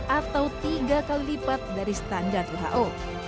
atau tiga kali lipat dari standar who